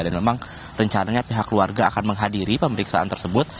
dan memang rencananya pihak keluarga akan menghadiri pemeriksaan tersebut